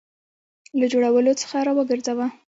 له جوړولو څخه را وګرځاوه.